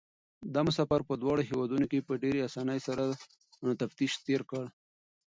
دا مسافر په دواړو هېوادونو کې په ډېرې اسانۍ سره تفتيش تېر کړ.